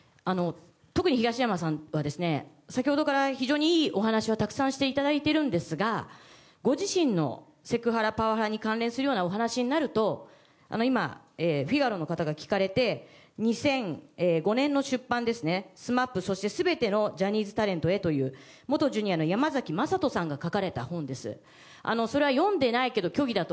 特に東山さんは先ほどから非常にいいお話をたくさんしていただいているんですがご自身のセクハラパワハラに関連するようなお話になると他の方が聞かれた２００５年の出版の「ＳＭＡＰ‐そして、すべてのジャニーズタレントへ」という元Ｊｒ．のヤマザキマサトさんが書かれた本です。